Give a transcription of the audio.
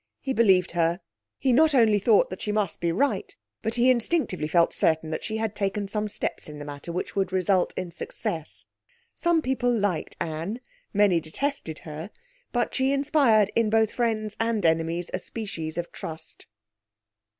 He believed her. He not only thought that she must be right, but he instinctively felt certain that she had taken some steps in the matter which would result in success. Some people liked Anne, many detested her, but she inspired in both friends and enemies a species of trust.